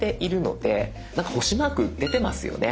なんか星マーク出てますよね？